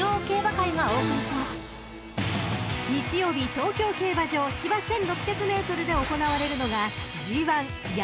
東京競馬場芝１，６００ｍで行われるのが］